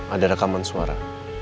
ada rekaman suara